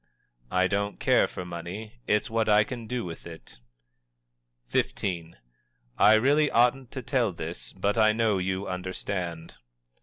"I don't care for money it's what I can do with it." XV. "I really oughtn't to tell this, but I know you understand."